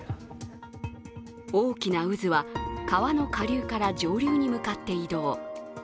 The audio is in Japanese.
大きな渦は、川の下流から上流に向かって移動。